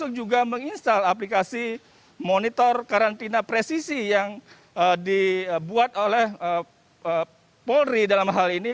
untuk juga menginstal aplikasi monitor karantina presisi yang dibuat oleh polri dalam hal ini